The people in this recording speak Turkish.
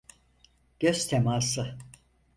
Göz teması.